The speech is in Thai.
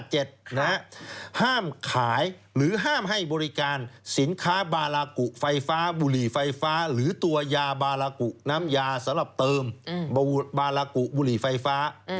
ห้ามขายหรือห้ามให้บริการสินค้าบาลากุไฟฟ้าบุหรี่ไฟฟ้าหรือตัวยาบาลากุน้ำยาสำหรับเติมบาลากุบุหรี่ไฟฟ้า